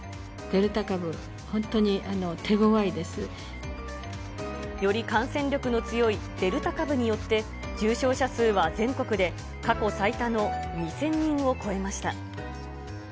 デルタ株、本当に手ごわいでより感染力の強いデルタ株によって、重症者数は全国で過去最多の２０００人を超えました。